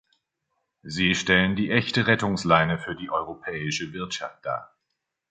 Sie stellen die echte Rettungsleine für die europäische Wirtschaft dar.